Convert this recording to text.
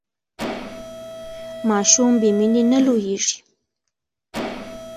ماشومان بې مینې نه لویېږي.